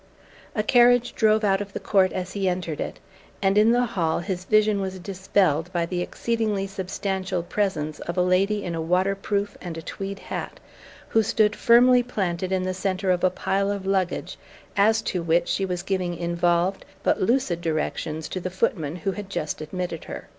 A carriage drove out of the court as he entered it, and in the hall his vision was dispelled by the exceedingly substantial presence of a lady in a waterproof and a tweed hat, who stood firmly planted in the centre of a pile of luggage, as to which she was giving involved but lucid directions to the footman who had just admitted her.